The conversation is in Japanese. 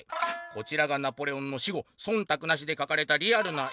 「こちらがナポレオンの死後そんたくなしで描かれたリアルな絵。